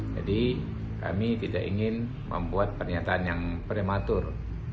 jadi kami tidak ingin membuat pernyataan yang prematur